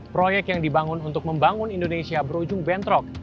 proyek yang dibangun untuk membangun indonesia berujung bentrok